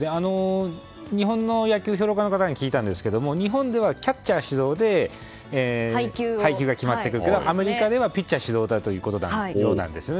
日本の野球評論家の方に聞いたんですが日本ではキャッチャー主導で配球が決まってくるけどアメリカではピッチャー主導ということのようなんですね。